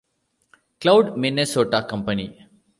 Cloud, Minnesota company.